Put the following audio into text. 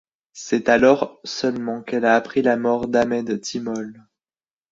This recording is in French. C'est alors seulement qu'elle a appris la mort d'Ahmed Timol.